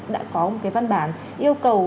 đã có một cái văn bản yêu cầu